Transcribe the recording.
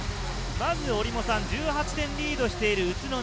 １８点リードしている宇都宮。